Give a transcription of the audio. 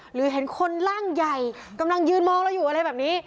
หรือเห็นคนร่างใหญ่กำลังยืนมองเราอยู่อะไรแบบนี้